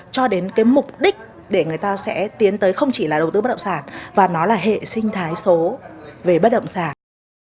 cho đến cái mục đích để người ta sẽ tiến tới không chỉ là đầu tư bất động sản và nó là hệ sinh thái số về bất động sản